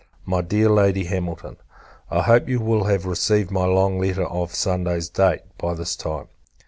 MY DEAR LADY HAMILTON, I hope you will have received my long letter of Sunday's date, by this time.